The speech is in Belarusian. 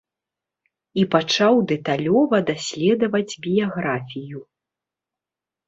І пачаў дэталёва даследаваць біяграфію.